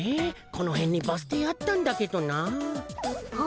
このへんにバス停あったんだけどなあ。